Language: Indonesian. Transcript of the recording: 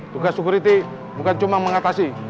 tugas security bukan cuma mengatasi